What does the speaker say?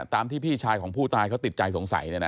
ตามที่พี่ชายของผู้ตายเขาติดใจสงสัย